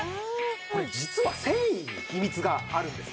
これ実は繊維に秘密があるんですよ。